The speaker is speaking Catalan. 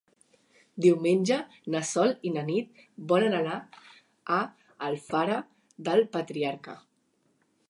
Diumenge na Sol i na Nit volen anar a Alfara del Patriarca.